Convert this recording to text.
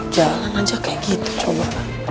jalan aja kayak gitu coba